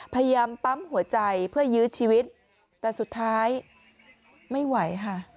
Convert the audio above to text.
พยายามปั๊มหัวใจเพื่อยื้อชีวิตแต่สุดท้ายไม่ไหวค่ะ